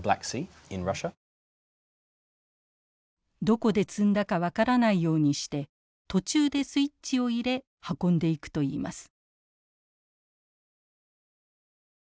どこで積んだか分からないようにして途中でスイッチを入れ運んでいくといいます。